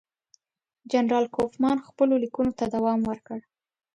جنرال کوفمان خپلو لیکونو ته دوام ورکړ.